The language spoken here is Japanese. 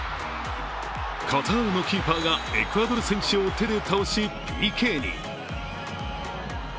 カタールのキーパーがエクアドル選手を手で倒しＰＫに。